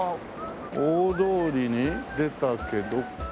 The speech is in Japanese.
大通りに出たけど。